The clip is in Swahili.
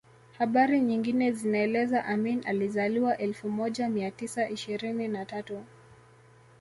Habari nyingine zinaeleza Amin alizaliwa elfu moja mia tisa ishirini na tatu